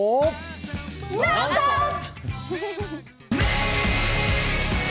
「ノンストップ！」。